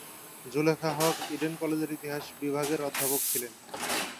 Zulekha Haque Eden কলেজের ইতিহাস বিভাগের অধ্যাপক ছিলেন।